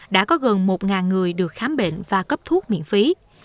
đã có gần một người được khám bệnh và cấp thuốc miễn phí